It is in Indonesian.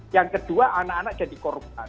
yang kedua anak anak jadi korban